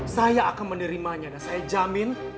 saya akan menerimanya dan saya jamin